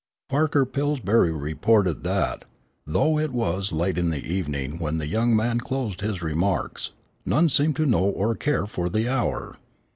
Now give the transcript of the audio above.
Parker Pillsbury reported that, "though it was late in the evening when the young man closed his remarks, none seemed to know or care for the hour....